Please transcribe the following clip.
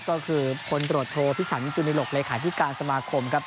ก็คือคนตรวจโทษภิกษัณฑ์จุฬิหลกรายขาธิการสมาคมครับ